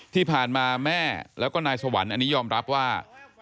ที่ผ่านมาแม่แล้วก็นายสวรรค์อันนี้ยอมรับว่า